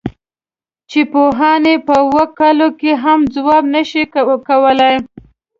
چې پوهان یې په اوو کالو کې هم ځواب نه شي کولای.